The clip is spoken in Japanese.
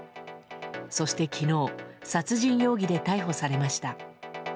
そして昨日殺人容疑で逮捕されました。